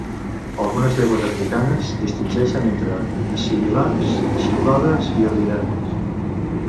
Algunes llengües africanes distingeixen entre sibilants xiulades i ordinàries.